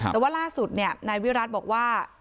แต่ว่าล่าสุดนายวิรัติบอกว่า